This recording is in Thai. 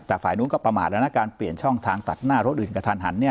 แต่ฝ่ายนู้นก็ประมาทแล้วนะการเปลี่ยนช่องทางตัดหน้ารถอื่นกระทันหัน